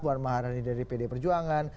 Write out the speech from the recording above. buar maharani dari pd perjuangan